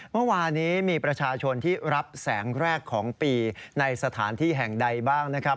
เมื่อวานี้มีประชาชนที่รับแสงแรกของปีในสถานที่แห่งใดบ้างนะครับ